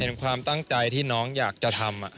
ความตั้งใจที่น้องอยากจะทำ